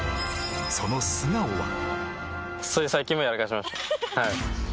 その素顔は。